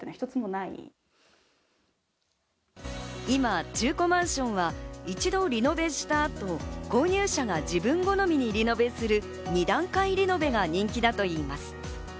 今、中古マンションは一度リノベした後、購入者が自分好みにリノベする、２段階リノベが人気だといいます。